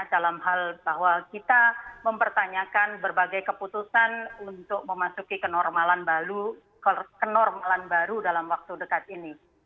dalam hal bahwa kita mempertanyakan berbagai keputusan untuk memasuki kenormalan baru dalam waktu dekat ini